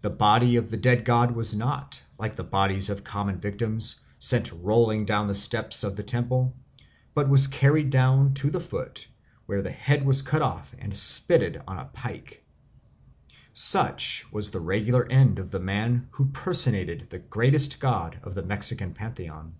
The body of the dead god was not, like the bodies of common victims, sent rolling down the steps of the temple, but was carried down to the foot, where the head was cut off and spitted on a pike. Such was the regular end of the man who personated the greatest god of the Mexican pantheon.